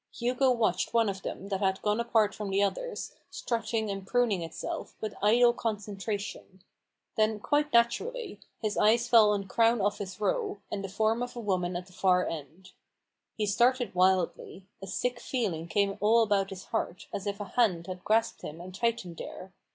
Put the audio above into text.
Hugo watched one of them that had gone apart from the others, strutting and pruning itself, with idle concentration ; then, quite naturally, his eyes fell on Crown Office Row, and the form of a woman at the far end. He started wildly ; a sick feeling came all about his heart, as if a hand had grasped him and tightened there.